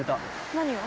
「何を？」